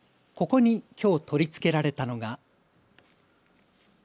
ここにきょう取り付けられたのが。